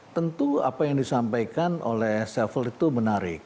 tentu apa yang disampaikan oleh sevel itu menarik